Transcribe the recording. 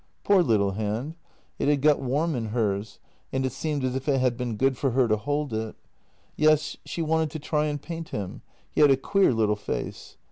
Poor little hand; it had got warm in hers, and it seemed as if it had been good for her to hold it. Yes, she wanted to try and paint him; he had a queer little face.